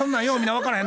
分からへん